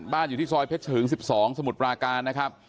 อยู่ที่ซอยเพชรเฉิง๑๒สมุทรปราการนะครับ